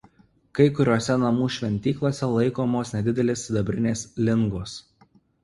Kai kuriose namų šventyklose laikomos nedidelės sidabrinės lingos.